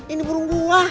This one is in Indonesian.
ini burung gua